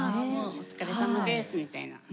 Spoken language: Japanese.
「お疲れさまです」みたいな。